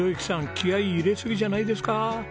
気合入れすぎじゃないですか？